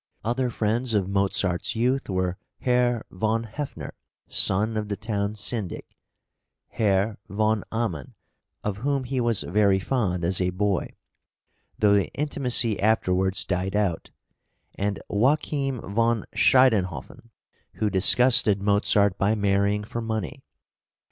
Other friends of Mozart's youth were Herr von Hefner, son of the town syndic; Herr von Aman, of whom he was very fond as a boy, though the intimacy afterwards died out, and Joachim von Schiedenhofen, who disgusted Mozart by marrying for money.